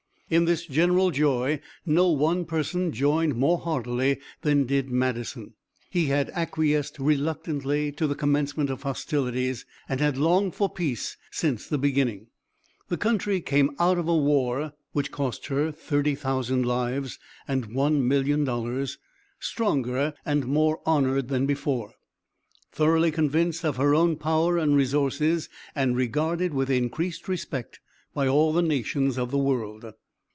In this general joy no one person joined more heartily than did Madison. He had acquiesced reluctantly to the commencement of hostilities, and had longed for peace since the beginning. The country came out of a war, which cost her 30,000 lives and $1,000,000, stronger and more honored than before; thoroughly convinced of her own power and resources, and regarded with increased respect by all the nations of the world.